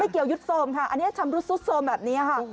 เกี่ยวยุดโทรมค่ะอันนี้ชำรุดซุดโทรมแบบนี้ค่ะ